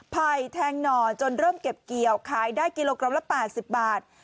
ไผ่แทงหน่อจนเริ่มเก็บเกี่ยวขายได้กิโลกรัมละ๘๐บาท